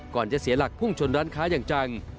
จะเสียหลักพุ่งชนร้านค้าอย่างจัง